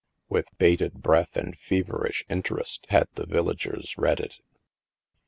With bated breath and feverish interest had the villagers read it.